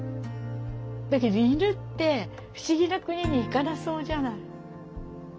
だけど犬って不思議な国に行かなそうじゃない。